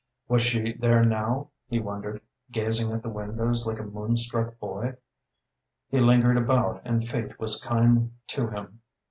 Was she there now, he wondered, gazing at the windows like a moon struck boy. He lingered about and fate was kind to him.